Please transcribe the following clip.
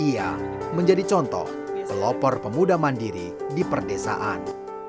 ia menjadi contoh pelopor pemuda mandiri di perdesaan